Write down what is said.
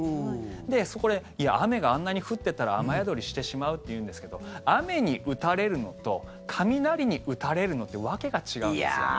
で、そこでいや、雨があんなに降ってたら雨宿りしてしまうというんですが雨に打たれるのと雷に打たれるのって訳が違うんですよね。